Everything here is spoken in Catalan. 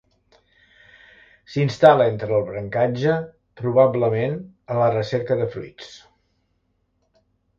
S'instal·la entre el brancatge, probablement a la recerca de fruits.